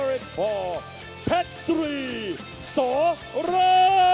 มีความรู้สึกว่า